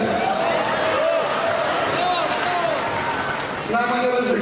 ada yang di sini ambil saja